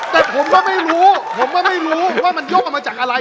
แต่ผมก็ไม่รู้ว่ามันยกออกมาจากอะไร